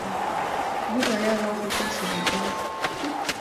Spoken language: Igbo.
Dịka ya bụ akụkọ siri gaa